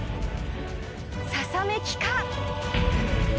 ささめきか？